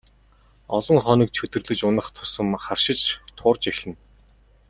Олон хоног чөдөрлөж унах тусам харшиж турж эцнэ.